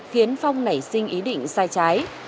khiến phong nảy sinh ý định sai trái